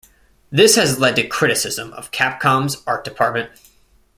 This has led to criticism of Capcom's art department.